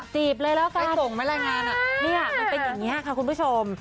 จีบเลยแล้วกันคุณผู้ชมเนี่ยมันเป็นอย่างนี้ค่ะคุณผู้ชม